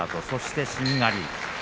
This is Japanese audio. そして、しんがり。